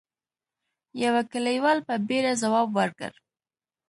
يوه کليوال په بيړه ځواب ورکړ: